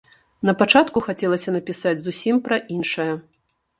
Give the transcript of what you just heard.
Напачатку хацелася напісаць зусім пра іншае.